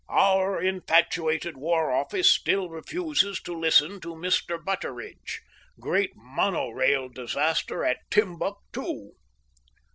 OUR INFATUATED WAR OFFICE STILL REFUSES TO LISTEN TO MR. BUTTERIDGE. GREAT MONO RAIL DISASTER AT TIMBUCTOO.